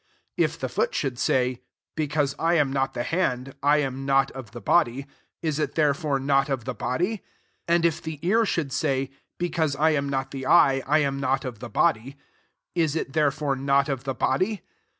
15 If the foot should say, ^^ Because I am not the hand, I am not of the body ;" is it there fore not of the body ? 16 and if the ear should say, ^< Because I am not the eye, I am not of the body;" is it therefore not of the body?